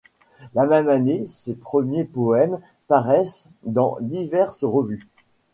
La même année, ses premiers poèmes paraissent dans diverses revues.